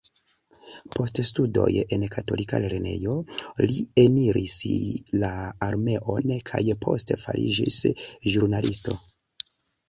Post studoj en katolika lernejo, li eniris la armeon, kaj poste fariĝis ĵurnalisto.